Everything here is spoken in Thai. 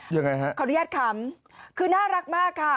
ยังไงฮะขออนุญาตขำคือน่ารักมากค่ะ